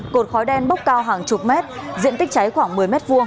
cột khói đen bốc cao hàng chục mét diện tích cháy khoảng một mươi m hai